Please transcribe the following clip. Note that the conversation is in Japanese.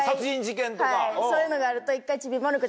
はいそういうのがあると一回。